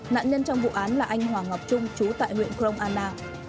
nạn nhân trong vụ án là anh hoàng ngọc trung trú tại huyện kron anna